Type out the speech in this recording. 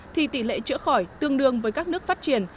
thì tỷ lệ chữa khỏi tương đương với các nước phát triển